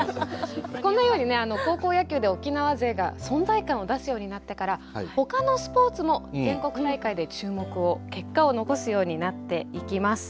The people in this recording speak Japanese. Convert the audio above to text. このように高校野球で沖縄勢が存在感を出すようになってからほかのスポーツも全国大会で注目を結果を残すようになっていきます。